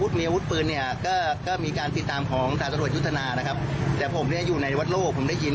ตัวลงก็มีการเข้าไปชาร์จของ